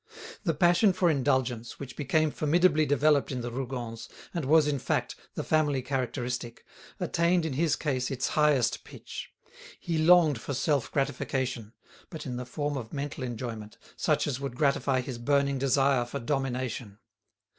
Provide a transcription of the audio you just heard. The passion for indulgence, which became formidably developed in the Rougons, and was, in fact, the family characteristic, attained in his case its highest pitch; he longed for self gratification, but in the form of mental enjoyment such as would gratify his burning desire for domination.